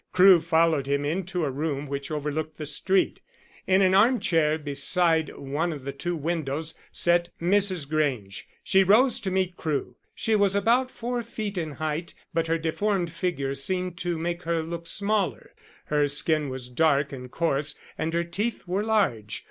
Crewe followed him into a room which overlooked the street. In an arm chair beside one of the two windows sat Mrs. Grange. She rose to meet Crewe. She was about four feet in height but her deformed figure seemed to make her look smaller. Her skin was dark and coarse and her teeth were large.